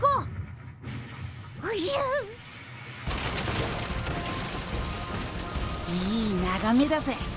いいながめだぜ。